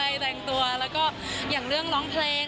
แรงตัวแล้วก็อย่างเรื่องร้องเพลง